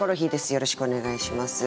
よろしくお願いします。